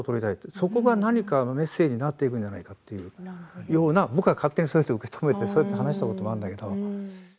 そこが何かメッセージになっていくんじゃないかというような僕は勝手にそうやって受け止めてそうやって話したこともあるんだけれど。